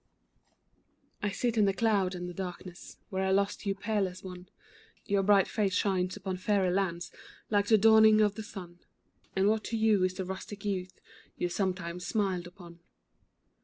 I sit in the cloud and the darkness Where I lost you, peerless one; Your bright face shines upon fairer lands, Like the dawning of the sun, And what to you is the rustic youth, You sometimes smiled upon.